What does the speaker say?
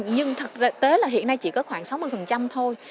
nhưng thực tế là hiện nay chỉ có khoảng sáu mươi thôi